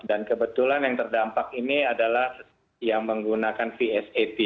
dan kebetulan yang terdampak ini adalah yang menggunakan vsat